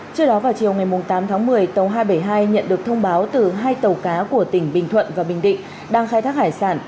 trước đó vào chiều ngày tám tháng một mươi tàu hai trăm bảy mươi hai nhận được thông báo từ hai tàu cá của tỉnh bình thuận và bình định đang khai thác hải sản